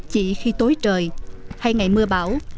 chỉ khi tối trời hay ngày mưa bão